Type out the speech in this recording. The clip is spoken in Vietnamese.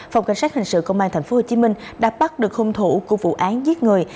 phòng cảnh sát hình sự công an tp hcm đã bắt được hung thủ của vụ án giết người